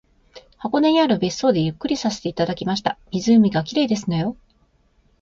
箱根にある別荘でゆっくりさせていただきました。湖が綺麗ですのよ